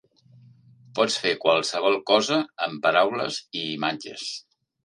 "Pots fer qualsevol cosa amb paraules i imatges".